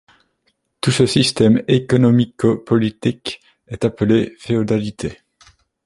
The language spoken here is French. Tout ce système économico-politique est appelé féodalité.